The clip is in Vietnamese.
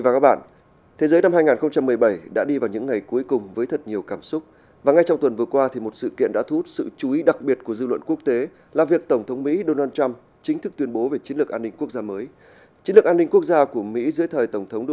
cảm ơn các bạn đã theo dõi và đăng ký kênh của chúng mình